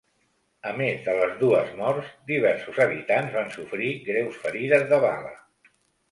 A més de les dues morts, diversos habitants van sofrir greus ferides de bala.